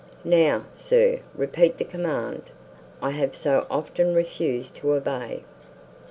Now, sir, repeat the command, I have so often refused to obey."